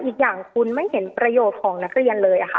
อีกอย่างคุณไม่เห็นประโยชน์ของนักเรียนเลยค่ะ